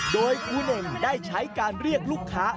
โดยครูเน่งได้ใช้การเรียกลูกค้า